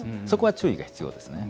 そこは注意が必要です。